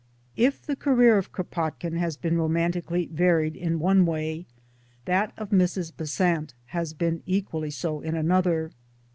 If the career of Kropotkin has been romantically varied in one way, that of Mrs. Besant has been equally so in another.